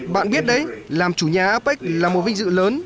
bạn biết đấy làm chủ nhà apec là một vinh dự lớn